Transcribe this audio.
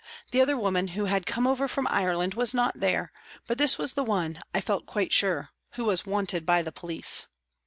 The other woman who had come over from Ireland was not there, but this was the one, I felt quite sure, who was " wanted by the police."